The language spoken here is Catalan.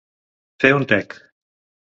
Fer un tec.